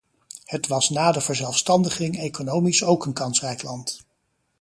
Het was na de verzelfstandiging economisch ook een kansrijk land.